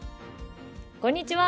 こんにちは。